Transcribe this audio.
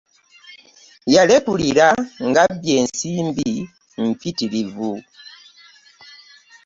Yalekulira ng'abbye ensimbi mpitirivu.